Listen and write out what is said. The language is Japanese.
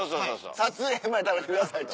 撮影前に食べてください。